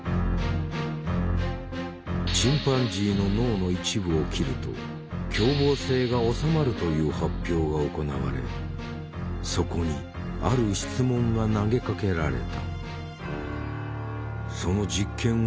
チンパンジーの脳の一部を切ると凶暴性がおさまるという発表が行われそこにある質問が投げかけられた。